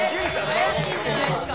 怪しいんじゃないですか？